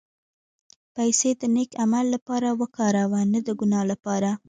پېسې د نېک عمل لپاره وکاروه، نه د ګناه لپاره.